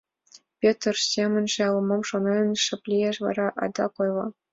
Пӧтыр, семынже ала-мом шонен, шып лиеш, вара адак ойла: